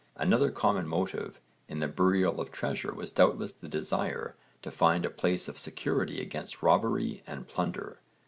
Another common motive in the burial of treasure was doubtless the desire to find a place of security against robbery and plunder.